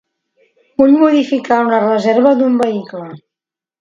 Vull modificar una reserva d'un vehicle.